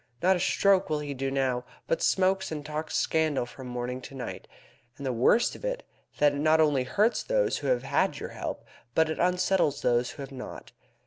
Not a stroke will he do now, but smokes and talks scandal from morning to night. And the worst of it is, that it not only hurts those who have had your help, but it unsettles those who have not.